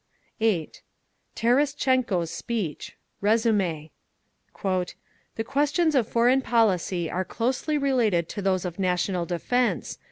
8. TERESTCHENKO'S SPEECH (Resumé) "… The questions of foreign policy are closely related to those of national defence….